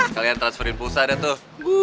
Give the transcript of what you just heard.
kalian transferin pulsa deh tuh